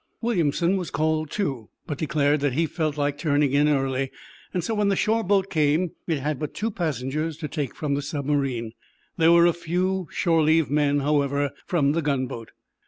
Williamson was called too, but declared that he felt like turning in early. So, when the shore boat came, it had but two passengers to take from the submarine. There were a few shore leave men, however, from the gunboat.